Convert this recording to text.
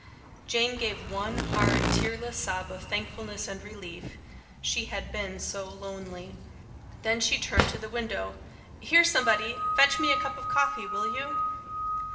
Jane gave one hard, tearless sob of thankfulness and relief. She had been so lonely. Then she turned to the window. "Here, somebody! Fetch me a cup of coffee, will you?"